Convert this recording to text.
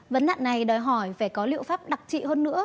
vấn nạn này đòi hỏi phải có liệu pháp đặc trị hơn nữa